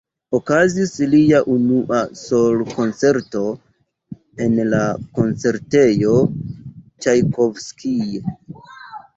La okazis lia unua sol-koncerto en la koncertejo "Ĉajkovskij".